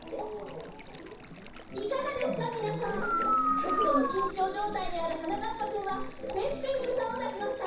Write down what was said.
きょくどのきんちょうじょうたいにあるはなかっぱくんはペンペングサをだしました。